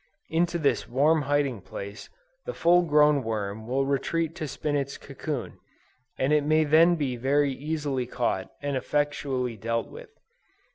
Into this warm hiding place, the full grown worm will retreat to spin its cocoon, and it may then be very easily caught and effectually dealt with.